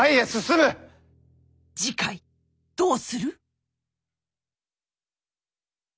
次回どうする？